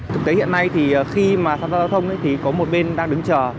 thực tế hiện nay thì khi mà tham gia giao thông thì có một bên đang đứng chờ